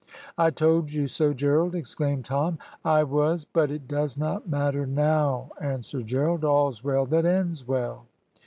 "I told you so, Gerald," exclaimed Tom, "I was " "But it does not matter now," answered Gerald, "all's well that ends well."